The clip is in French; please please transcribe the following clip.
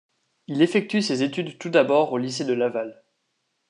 Il effectue ses études tout d'abord au lycée de Laval.